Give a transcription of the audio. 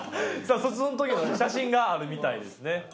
そのときの写真があるみたいですね。